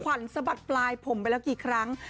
สะบัดปลายผมไปแล้วกี่ครั้ง